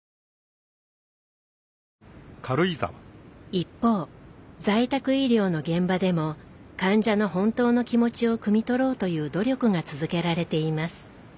一方在宅医療の現場でも患者の本当の気持ちをくみ取ろうという努力が続けられています。